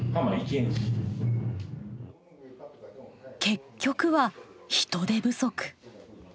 結局は人手不足。